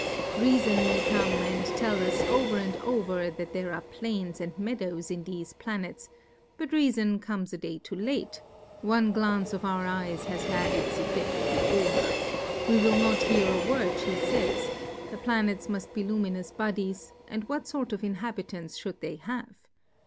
Reafon may come and tell us over and over, that there are Plains and Meadows in thefe Planets, but Reafon comes a Day too late; one Glance of our Eyes has had its Effefl. before her, we will not hear a Word flie fays, the Planets muil: be Luminous Bodies, and what fort of Inhabitants fliould they )iave